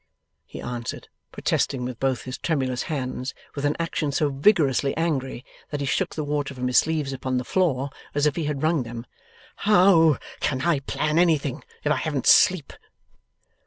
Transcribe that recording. he answered, protesting with both his tremulous hands, with an action so vigorously angry that he shook the water from his sleeves upon the floor, as if he had wrung them. 'How can I plan anything, if I haven't sleep?